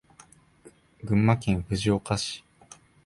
群馬県藤岡市